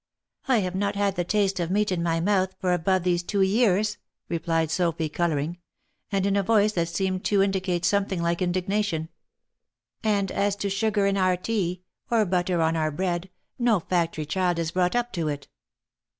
" I have not had the. taste of meat in my mouth for above these two years," replied Sophy colouring, and in a voice that seemed to indi cate something like indignation —" and as to sugar in our tea, or butter on our bread, no factory child is brought up to it."